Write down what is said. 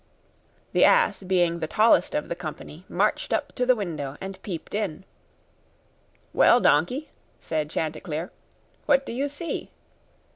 The ass, being the tallest of the company, marched up to the window and peeped in. 'Well, Donkey,' said Chanticleer, 'what do you see?